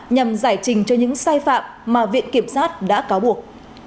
nhằm giải trình cho những sai phạm mà viện kiểm sát đã cáo buộc